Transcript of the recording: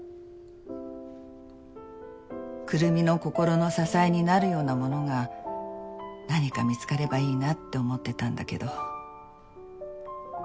くるみの心の支えになるようなものが何か見つかればいいなって思ってたんだけど。